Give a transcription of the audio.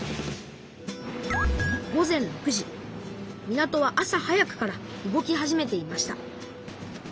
港は朝早くから動き始めていました。